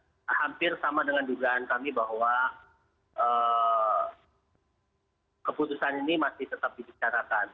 saya kira ini hampir sama dengan dugaan kami bahwa keputusan ini masih tetap dibicarakan